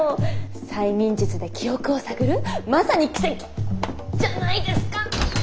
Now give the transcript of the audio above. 催眠術で記憶を探るまさに奇跡じゃないですかッ。